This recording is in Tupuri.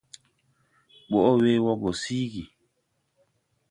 Ɓɔʼn we wɔ gɔ siigi.